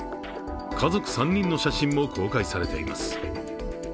家族３人の写真も公開されています。